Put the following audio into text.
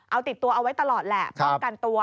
เอาติดตัวเอาไว้ตลอดแหละป้องกันตัว